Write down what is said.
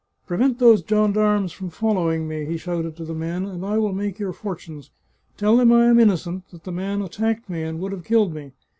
" Prevent those gendarmes from following me," he shouted to the men, " and I will make your fortunes. Tell them I am innocent, that the man attacked me and would have killed me.